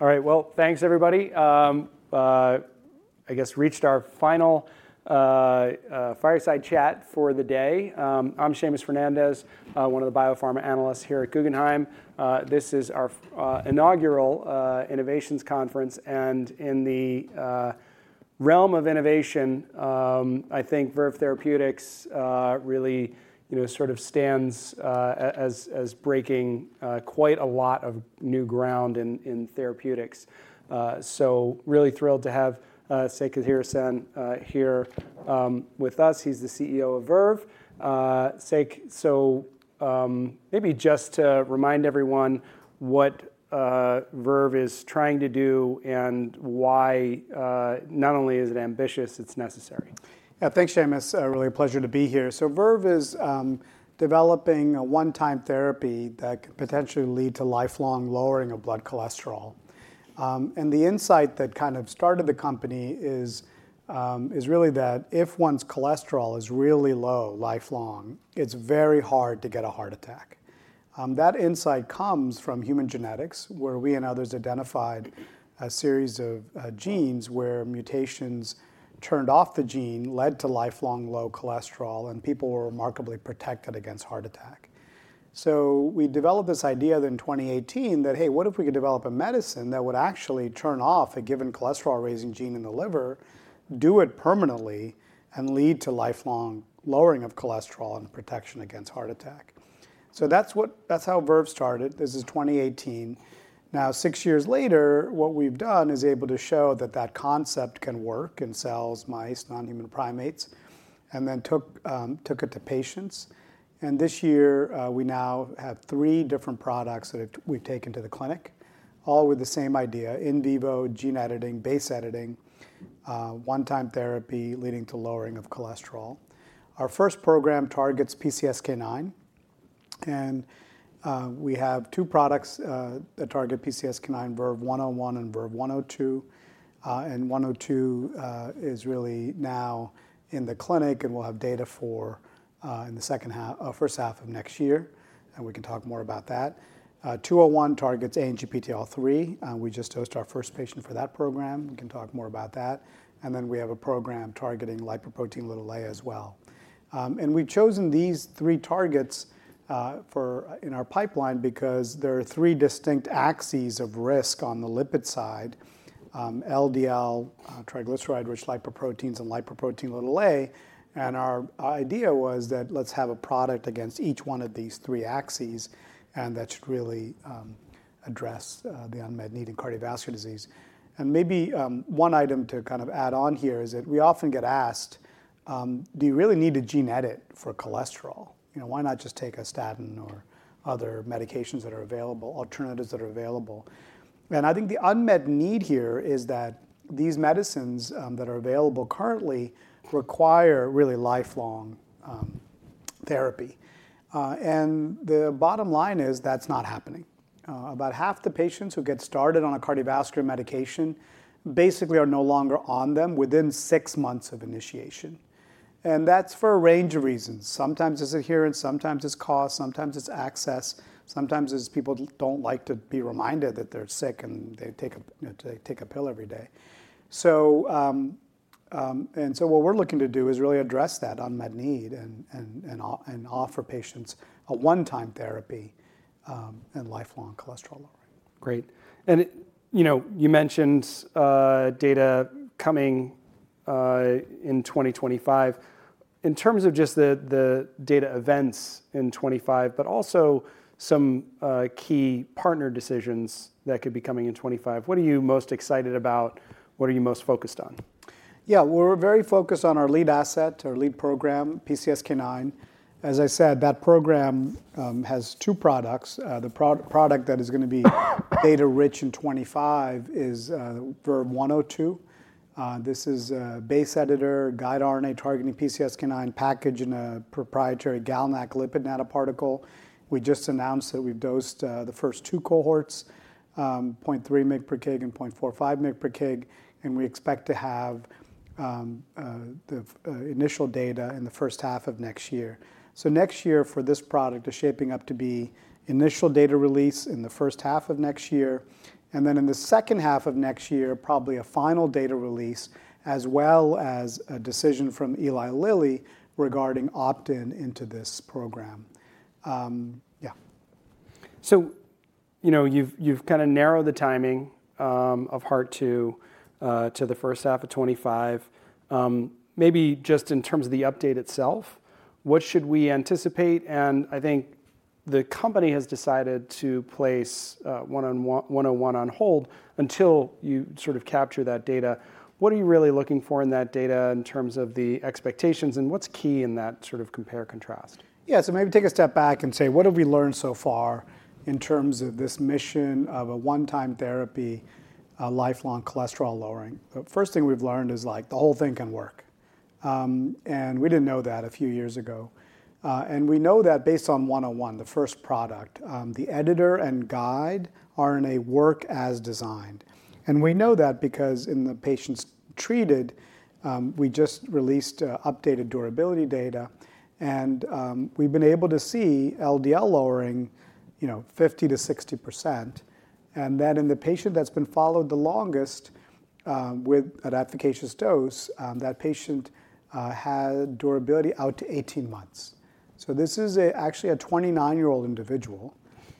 All right, well, thanks, everybody. I guess we reached our final fireside chat for the day. I'm Seamus Fernandez, one of the biopharma analysts here at Guggenheim. This is our inaugural innovations conference, and in the realm of innovation, I think Verve Therapeutics really you know sort of stands as breaking quite a lot of new ground in therapeutics. So really thrilled to have Sekar Kathiresan here with us. He's the CEO of Verve. Sek, so maybe just to remind everyone what Verve is trying to do and why, not only is it ambitious, it's necessary. Yeah, thanks, Seamus. Really a pleasure to be here. So Verve is developing a one-time therapy that could potentially lead to lifelong lowering of blood cholesterol, and the insight that kind of started the company is really that if one's cholesterol is really low lifelong, it's very hard to get a heart attack. That insight comes from human genetics, where we and others identified a series of genes where mutations turned off the gene led to lifelong low cholesterol, and people were remarkably protected against heart attack. So we developed this idea in 2018 that, hey, what if we could develop a medicine that would actually turn off a given cholesterol-raising gene in the liver, do it permanently, and lead to lifelong lowering of cholesterol and protection against heart attack. So that's what, that's how Verve started. This is 2018. Now, six years later, what we've done is able to show that that concept can work in cells, mice, non-human primates, and then took it to patients. This year, we now have three different products that we've taken to the clinic, all with the same idea: in vivo, gene editing, base editing, one-time therapy leading to lowering of cholesterol. Our first program targets PCSK9, and we have two products that target PCSK9: VERVE-101 and VERVE-102. And 102 is really now in the clinic, and we'll have data for in the second half, first half of next year, and we can talk more about that. 201 targets ANGPTL3, and we just dosed our first patient for that program. We can talk more about that. And then we have a program targeting lipoprotein(a) as well. And we've chosen these three targets for in our pipeline because there are three distinct axes of risk on the lipid side: LDL, triglyceride-rich lipoproteins, and lipoprotein(a). And our idea was that let's have a product against each one of these three axes, and that should really address the unmet need in cardiovascular disease. And maybe one item to kind of add on here is that we often get asked, do you really need to gene edit for cholesterol? You know, why not just take a statin or other medications that are available, alternatives that are available? And I think the unmet need here is that these medicines that are available currently require really lifelong therapy. And the bottom line is that's not happening. About half the patients who get started on a cardiovascular medication basically are no longer on them within six months of initiation. That's for a range of reasons. Sometimes it's adherence, sometimes it's cost, sometimes it's access, sometimes it's people don't like to be reminded that they're sick and they, you know, take a pill every day. And so what we're looking to do is really address that unmet need and offer patients a one-time therapy, and lifelong cholesterol lowering. Great. You know, you mentioned data coming in 2025. In terms of just the data events in 2025, but also some key partner decisions that could be coming in 2025, what are you most excited about? What are you most focused on? Yeah, we're very focused on our lead asset, our lead program, PCSK9. As I said, that program has two products. The pro product that is going to be data rich in 2025 is VERVE-102. This is a base editor guide RNA targeting PCSK9 package in a proprietary GalNAc lipid nanoparticle. We just announced that we've dosed the first two cohorts, 0.3 mg/kg and 0.45 mg/kg, and we expect to have the initial data in the first half of next year. So next year for this product is shaping up to be initial data release in the first half of next year, and then in the second half of next year, probably a final data release, as well as a decision from Eli Lilly regarding opt-in into this program. Yeah. So, you know, you've kind of narrowed the timing of Heart-2 to the first half of 2025. Maybe just in terms of the update itself, what should we anticipate? And I think the company has decided to place 101 on hold until you sort of capture that data. What are you really looking for in that data in terms of the expectations, and what's key in that sort of compare-contrast? Yeah, so maybe take a step back and say, what have we learned so far in terms of this mission of a one-time therapy, lifelong cholesterol lowering? The first thing we've learned is, like, the whole thing can work, and we didn't know that a few years ago, and we know that based on 101, the first product, the editor and guide RNA work as designed. And we know that because in the patients treated, we just released updated durability data, and we've been able to see LDL lowering, you know, 50%-60%. And then in the patient that's been followed the longest, with an efficacious dose, that patient had durability out to 18 months. This is actually a 29-year-old individual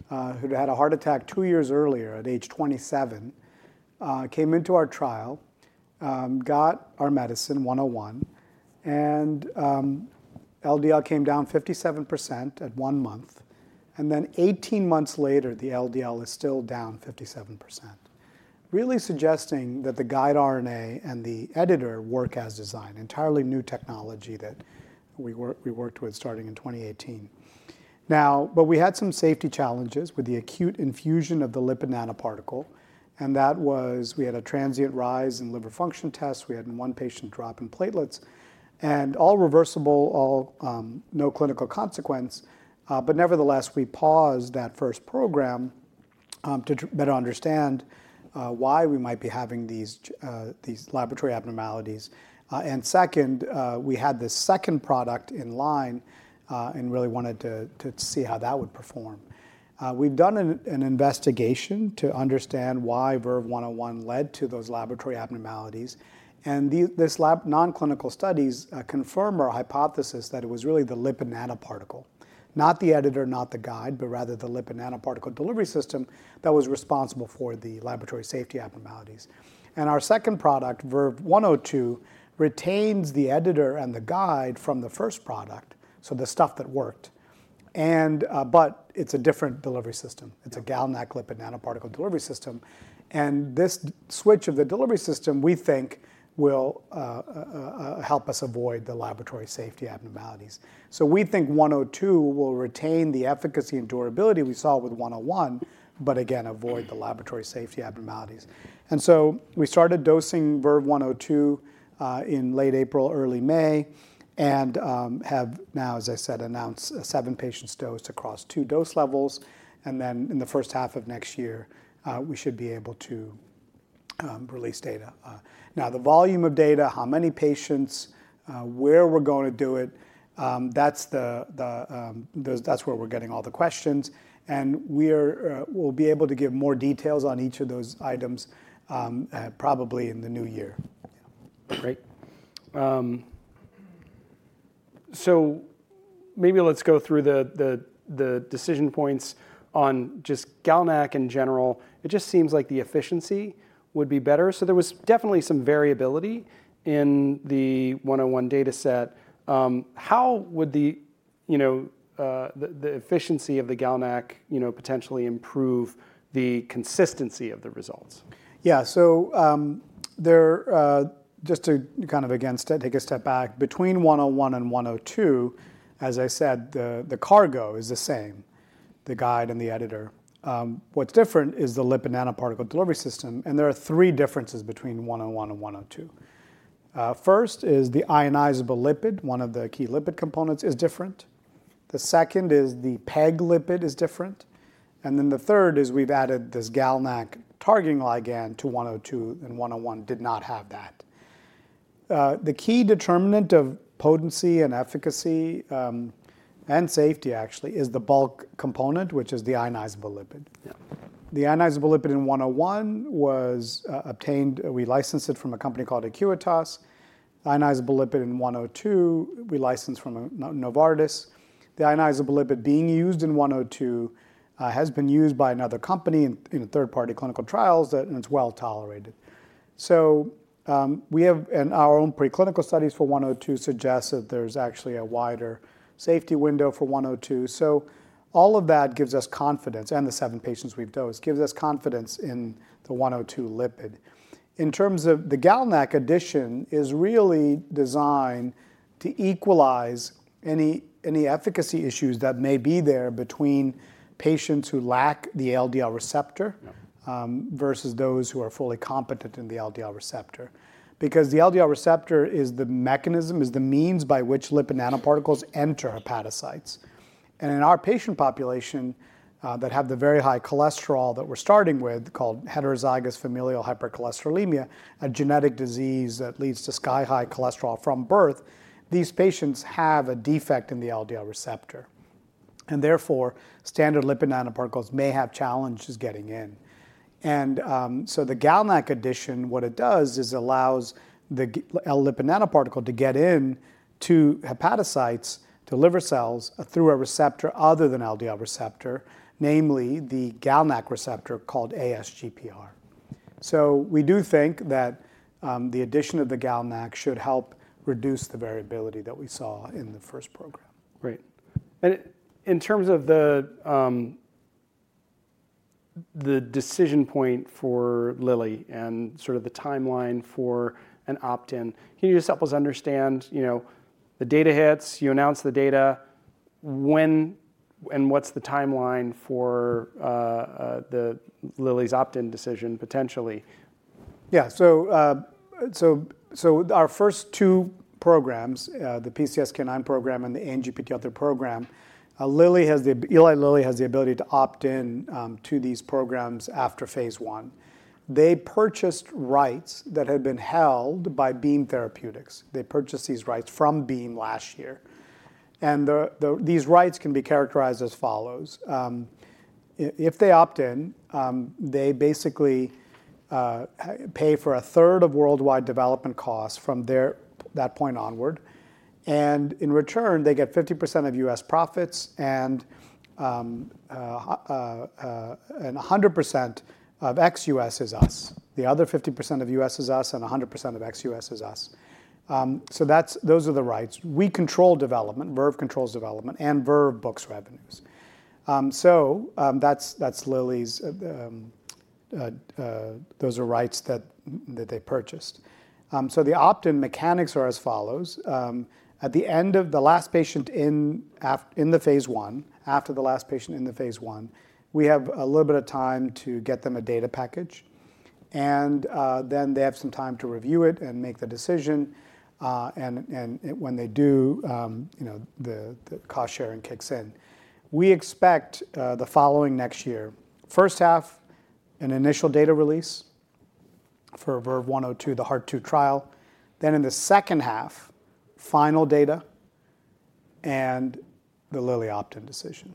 who had a heart attack two years earlier at age 27, came into our trial, got our medicine 101, and LDL came down 57% at one month, and then 18 months later, the LDL is still down 57%, really suggesting that the guide RNA and the editor work as designed, entirely new technology that we worked with starting in 2018. Now, but we had some safety challenges with the acute infusion of the lipid nanoparticle, and that was we had a transient rise in liver function tests. We had one patient drop in platelets, and all reversible, all no clinical consequence but nevertheless, we paused that first program to better understand why we might be having these these laboratory abnormalities, and second, we had this second product in line, and really wanted to to see how that would perform. We've done an investigation to understand why VERVE-101 led to those laboratory abnormalities, and these, this lab non-clinical studies, confirm our hypothesis that it was really the lipid nanoparticle, not the editor, not the guide, but rather the lipid nanoparticle delivery system that was responsible for the laboratory safety abnormalities. And our second product, VERVE-102, retains the editor and the guide from the first product, so the stuff that worked. And, but it's a different delivery system. It's a GalNAc lipid nanoparticle delivery system. And this switch of the delivery system, we think, will, help us avoid the laboratory safety abnormalities. So we think 102 will retain the efficacy and durability we saw with 101, but again, avoid the laboratory safety abnormalities. And so we started dosing VERVE-102, in late April, early May, and, have now, as I said, announced a seven-patient dose across two dose levels. And then in the first half of next year, we should be able to release data. Now the volume of data, how many patients, where we're going to do it, that's where we're getting all the questions. We'll be able to give more details on each of those items, probably in the new year. Great. So maybe let's go through the decision points on just GalNAc in general. It just seems like the efficiency would be better. So there was definitely some variability in the 101 data set. How would you know, the efficiency of the GalNAc, you know, potentially improve the consistency of the results? Yeah, so, there, just to kind of again, take a step back, between 101 and 102, as I said, the cargo is the same, the guide and the editor. What's different is the lipid nanoparticle delivery system, and there are three differences between 101 and 102. First is the ionizable lipid, one of the key lipid components, is different. The second is the PEG lipid is different. And then the third is we've added this GalNAc targeting ligand to 102, and 101 did not have that. The key determinant of potency and efficacy, and safety, actually, is the bulk component, which is the ionizable lipid. The ionizable lipid in 101 was obtained; we licensed it from a company called Acuitas. The ionizable lipid in 102, we licensed from Novartis. The ionizable lipid being used in 102 has been used by another company in third-party clinical trials that and it's well tolerated. So we have and our own preclinical studies for 102 suggest that there's actually a wider safety window for 102. So all of that gives us confidence, and the seven patients we've dosed gives us confidence in the 102 lipid. In terms of the GalNAc addition, it is really designed to equalize any efficacy issues that may be there between patients who lack the LDL receptor versus those who are fully competent in the LDL receptor, because the LDL receptor is the mechanism, is the means by which lipid nanoparticles enter hepatocytes. In our patient population, that have the very high cholesterol that we're starting with, called heterozygous familial hypercholesterolemia, a genetic disease that leads to sky-high cholesterol from birth, these patients have a defect in the LDL receptor, and therefore standard lipid nanoparticles may have challenges getting in. So the GalNAc addition, what it does is allows the lipid nanoparticle to get into hepatocytes, to liver cells, through a receptor other than LDL receptor, namely the GalNAc receptor called ASGPR. So we do think that the addition of the GalNAc should help reduce the variability that we saw in the first program. Great. And in terms of the decision point for Lilly and sort of the timeline for an opt-in, can you just help us understand, you know, the data hits, you announce the data, when, and what's the timeline for the Lilly's opt-in decision potentially? Yeah, so our first two programs, the PCSK9 program and the ANGPTL3 program, Eli Lilly has the ability to opt in to these programs after phase 1. They purchased rights that had been held by Beam Therapeutics. They purchased these rights from Beam last year. And these rights can be characterized as follows. If they opt in, they basically pay for a third of worldwide development costs from that point onward. And in return, they get 50% of U.S. profits and 100% of ex-US is us. The other 50% of U.S. is us and 100% of ex-US is us. So those are the rights. We control development, Verve controls development, and Verve books revenues. So that's Eli Lilly's, those are rights that they purchased. So the opt-in mechanics are as follows. At the end of the last patient in the phase one, after the last patient in the phase one, we have a little bit of time to get them a data package, and then they have some time to review it and make the decision, and when they do, you know, the cost sharing kicks in. We expect the following next year, first half, an initial data release for VERVE-102, the Heart-2 trial, then in the second half, final data and the Lilly opt-in decision,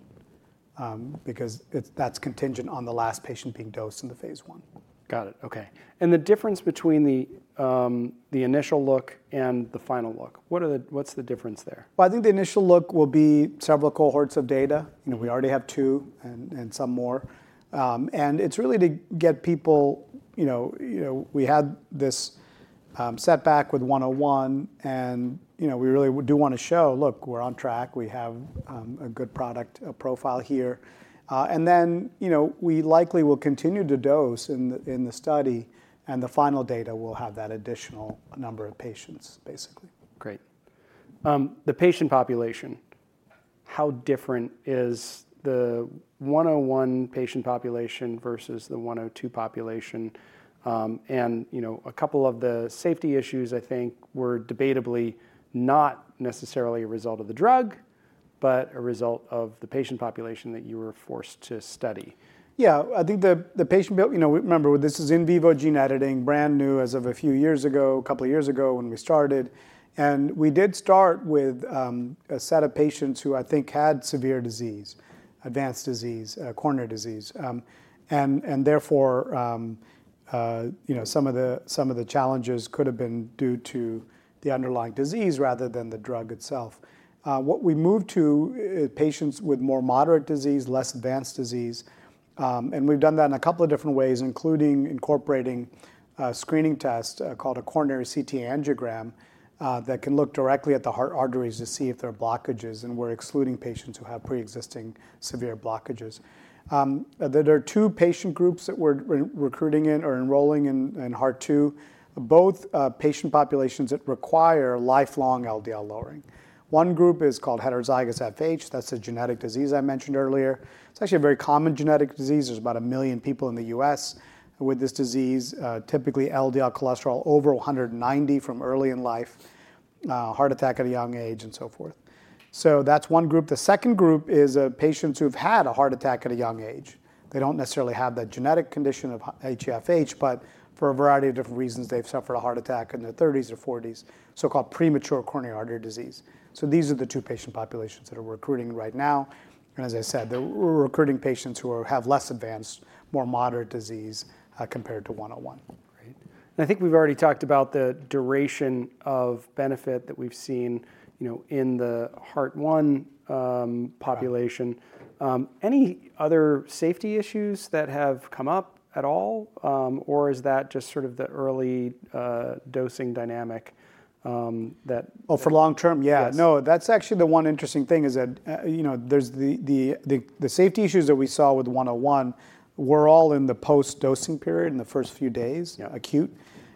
because that's contingent on the last patient being dosed in the phase one. Got it. Okay. And the difference between the initial look and the final look, what's the difference there? I think the initial look will be several cohorts of data. You know, we already have two and some more, and it's really to get people. You know, we had this setback with 101, and you know, we really do want to show. Look, we're on track. We have a good product profile here, and then you know, we likely will continue to dose in the study, and the final data will have that additional number of patients, basically. Great. The patient population, how different is the 101 patient population versus the 102 population? And, you know, a couple of the safety issues, I think, were debatably not necessarily a result of the drug, but a result of the patient population that you were forced to study. Yeah, I think the patient pool, you know, remember this is in vivo gene editing, brand new as of a few years ago, a couple of years ago when we started. And we did start with a set of patients who I think had severe disease, advanced disease, coronary disease. And therefore, you know, some of the challenges could have been due to the underlying disease rather than the drug itself. What we moved to is patients with more moderate disease, less advanced disease. And we've done that in a couple of different ways, including incorporating screening tests, called a coronary CT angiogram, that can look directly at the heart arteries to see if there are blockages, and we're excluding patients who have pre-existing severe blockages. There are two patient groups that we're recruiting in or enrolling in, in Heart-2, both patient populations that require lifelong LDL lowering. One group is called heterozygous FH, that's a genetic disease I mentioned earlier. It's actually a very common genetic disease. There's about a million people in the U.S. with this disease, typically LDL cholesterol over 190 from early in life, heart attack at a young age and so forth. So that's one group. The second group is patients who've had a heart attack at a young age. They don't necessarily have that genetic condition of HeFH, but for a variety of different reasons, they've suffered a heart attack in their 30s or 40s, so-called premature coronary artery disease. So these are the two patient populations that are recruiting right now, and as I said, they're recruiting patients who have less advanced, more moderate disease, compared to 101. Great. And I think we've already talked about the duration of benefit that we've seen, you know, in the Heart-1 population. Any other safety issues that have come up at all, or is that just sort of the early dosing dynamic, that? Oh, for long term, yeah. No, that's actually the one interesting thing is that, you know, there's the safety issues that we saw with 101 were all in the post-dosing period in the first few days, acute.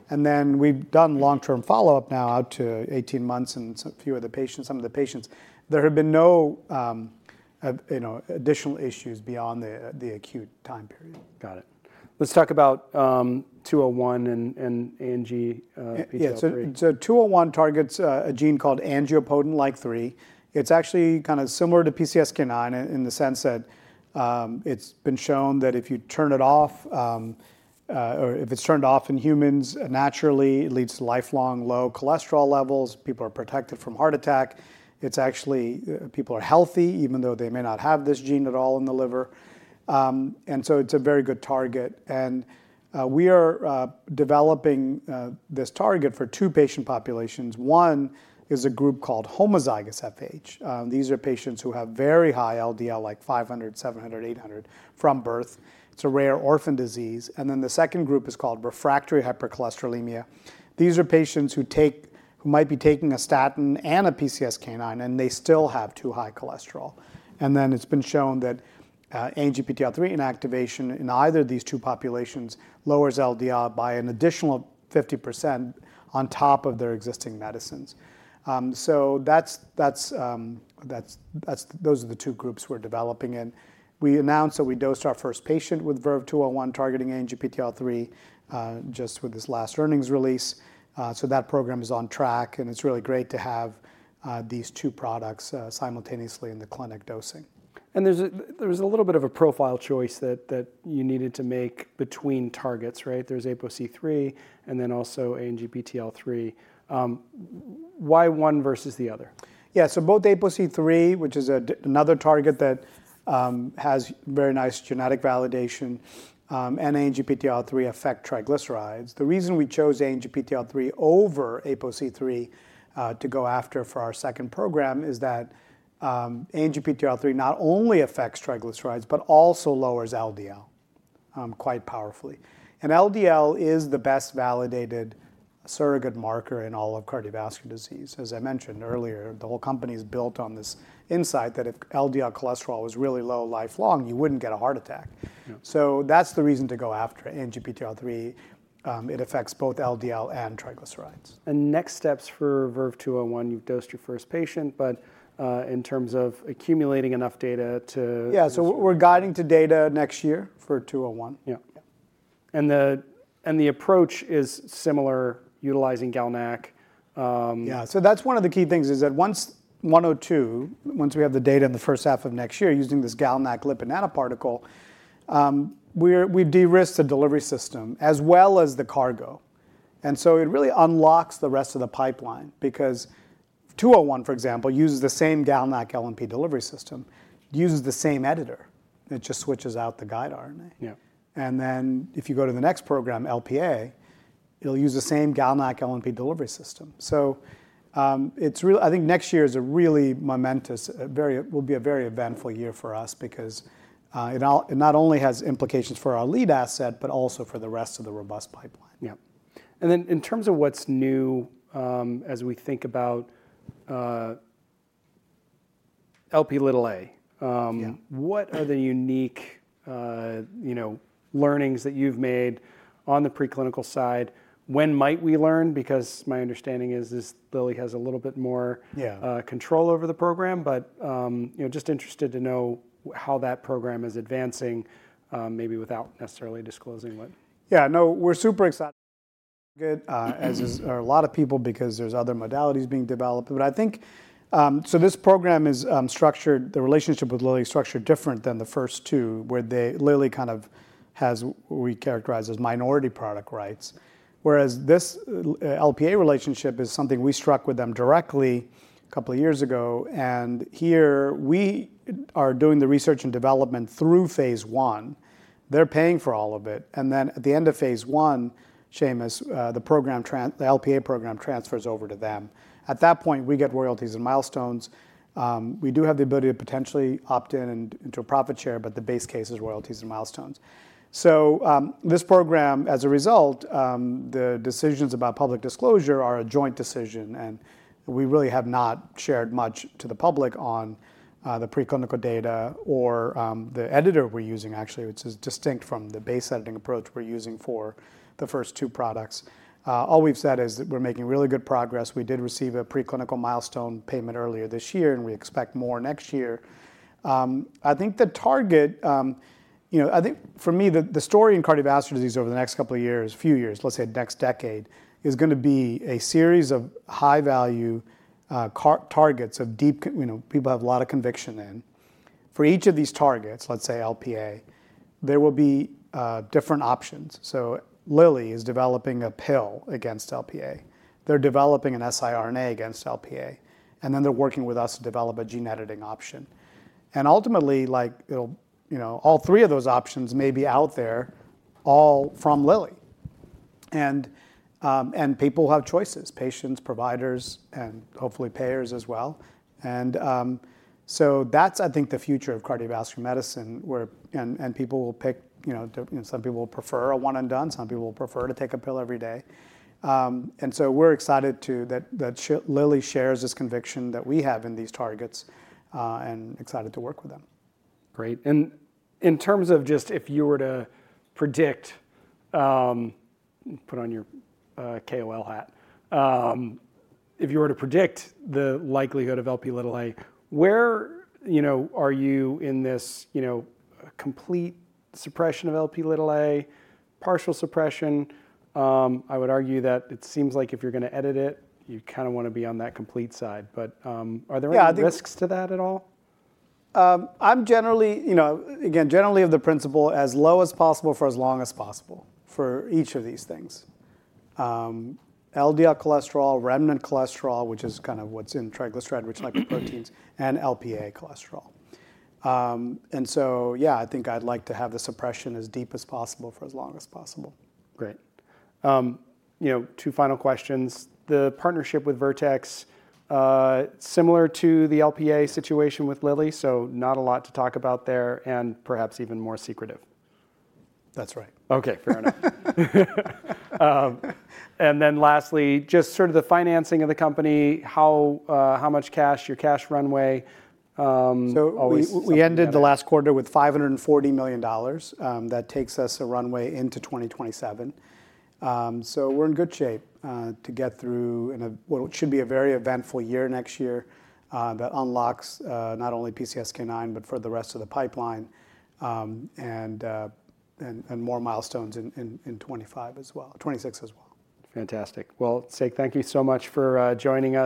And then we've done long-term follow-up now out to 18 months and a few of the patients, some of the patients, there have been no, you know, additional issues beyond the acute time period. Got it. Let's talk about VERVE-201 and ANGPTL3 piece of. Yeah, so 201 targets a gene called angiopoietin-like 3. It's actually kind of similar to PCSK9 in the sense that it's been shown that if you turn it off, or if it's turned off in humans naturally, it leads to lifelong low cholesterol levels. People are protected from heart attack. It's actually people are healthy, even though they may not have this gene at all in the liver, and so it's a very good target. We are developing this target for two patient populations. One is a group called homozygous FH. These are patients who have very high LDL, like 500, 700, 800 from birth. It's a rare orphan disease. The second group is called refractory hypercholesterolemia. These are patients who take, who might be taking a statin and a PCSK9, and they still have too high cholesterol. And then it's been shown that ANGPTL3 inactivation in either of these two populations lowers LDL by an additional 50% on top of their existing medicines. So that's those are the two groups we're developing in. We announced that we dosed our first patient with VERVE-201 targeting ANGPTL3, just with this last earnings release. So that program is on track and it's really great to have these two products simultaneously in the clinic dosing. There's a little bit of a profile choice that you needed to make between targets, right? There's ApoC3 and then also ANGPTL3. Why one versus the other? Yeah, so both ApoC3, which is another target that has very nice genetic validation, and ANGPTL3 affect triglycerides. The reason we chose ANGPTL3 over ApoC3 to go after for our second program is that ANGPTL3 not only affects triglycerides, but also lowers LDL quite powerfully. And LDL is the best validated surrogate marker in all of cardiovascular disease. As I mentioned earlier, the whole company's built on this insight that if LDL cholesterol was really low lifelong, you wouldn't get a heart attack. So that's the reason to go after ANGPTL3. It affects both LDL and triglycerides. Next steps for VERVE-201, you've dosed your first patient, but in terms of accumulating enough data to. Yeah, so we're guiding to data next year for 201. Yeah, and the approach is similar utilizing GalNAc. Yeah, so that's one of the key things is that once 102 we have the data in the first half of next year using this GalNAc lipid nanoparticle, we de-risk the delivery system as well as the cargo. And so it really unlocks the rest of the pipeline because 201, for example, uses the same GalNAc LNP delivery system, uses the same editor, it just switches out the guide RNA. And then if you go to the next program, Lp(a), it'll use the same GalNAc LNP delivery system. So, it's really, I think next year is a really momentous, very, will be a very eventful year for us because it not only has implications for our lead asset, but also for the rest of the robust pipeline. Yeah. And then in terms of what's new, as we think about Lp(a), what are the unique, you know, learnings that you've made on the preclinical side? When might we learn? Because my understanding is Lilly has a little bit more control over the program, but, you know, just interested to know how that program is advancing, maybe without necessarily disclosing what. Yeah, no, we're super excited. Good, as are a lot of people because there's other modalities being developed. But I think, so this program is structured, the relationship with Lilly is structured different than the first two where they literally kind of have what we characterize as minority product rights. Whereas this Lp(a) relationship is something we struck with them directly a couple of years ago. And here we are doing the research and development through phase one. They're paying for all of it. And then at the end of phase one, Seamus, the program, the Lp(a) program transfers over to them. At that point, we get royalties and milestones. We do have the ability to potentially opt in to a profit share, but the base case is royalties and milestones. This program, as a result, the decisions about public disclosure are a joint decision and we really have not shared much to the public on the preclinical data or the editor we're using actually, which is distinct from the base editing approach we're using for the first two products. All we've said is that we're making really good progress. We did receive a preclinical milestone payment earlier this year and we expect more next year. I think the target, you know, I think for me, the story in cardiovascular disease over the next couple of years, few years, let's say next decade is going to be a series of high value targets of deep, you know, people have a lot of conviction in. For each of these targets, let's say Lp(a), there will be different options. Lilly is developing a pill against Lp(a). They're developing an siRNA against Lp(a), and then they're working with us to develop a gene editing option, and ultimately, like it'll, you know, all three of those options may be out there all from Lilly, and people will have choices, patients, providers, and hopefully payers as well, and so that's, I think, the future of cardiovascular medicine where, and people will pick, you know, some people will prefer a one and done, some people will prefer to take a pill every day, and so we're excited that Lilly shares this conviction that we have in these targets, and excited to work with them. Great. And in terms of just if you were to predict, put on your KOL hat, if you were to predict the likelihood of Lp(a), where, you know, are you in this, you know, complete suppression of Lp(a), partial suppression? I would argue that it seems like if you're going to edit it, you kind of want to be on that complete side, but are there any risks to that at all? I'm generally, you know, again, generally of the principle as low as possible for as long as possible for each of these things. LDL cholesterol, remnant cholesterol, which is kind of what's in triglyceride-rich lipoproteins and Lp(a) cholesterol. So, yeah, I think I'd like to have the suppression as deep as possible for as long as possible. Great. You know, two final questions. The partnership with Vertex, similar to the Lp(a) situation with Lilly, so not a lot to talk about there and perhaps even more secretive. That's right. Okay. Fair enough. And then lastly, just sort of the financing of the company, how much cash, your cash runway, always. So we ended the last quarter with $540 million. That takes us a runway into 2027. So we're in good shape to get through what should be a very eventful year next year, that unlocks not only PCSK9, but for the rest of the pipeline, and more milestones in 2025 as well, 2026 as well. Fantastic. Well, Sek, thank you so much for joining us.